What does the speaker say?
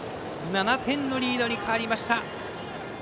７点のリードに変わりました。